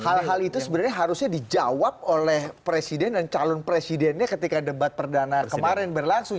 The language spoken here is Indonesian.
hal hal itu sebenarnya harusnya dijawab oleh presiden dan calon presidennya ketika debat perdana kemarin berlangsung